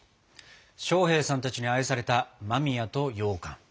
将兵さんたちに愛された間宮とようかん。